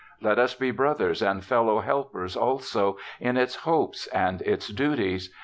Let us be brothers and fellow helpers, also, in its hopes and its duties.